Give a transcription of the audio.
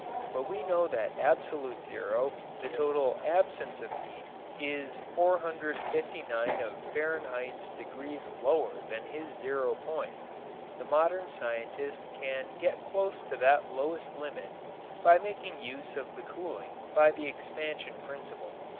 But we know that absolute zero, the total absence of heat, is 459 of Fahrenheit's degrees lower than his zero point. The modern scientist can get close to that lowest limit by making use of the cooling by the expansion principle.